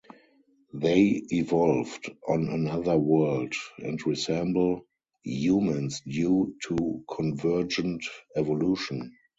They evolved on another world and resemble humans due to convergent evolution.